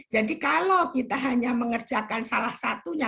jadi kalau kita hanya mengerjakan salah satunya